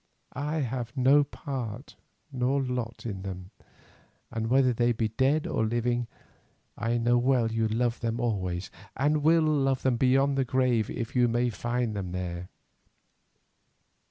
I have no part nor lot in them, and whether they be dead or living I know well you love them always, and will love them beyond the grave if you may find them there.